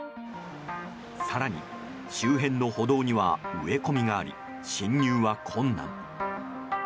更に、周辺の歩道には植え込みがあり進入は困難。